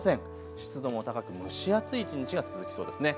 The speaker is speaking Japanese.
湿度も高く蒸し暑い一日が続きそうですね。